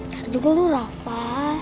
taduh dulu rafa